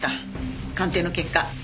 鑑定の結果